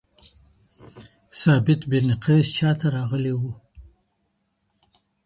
ثابت بن قيس چاته راغلی وو؟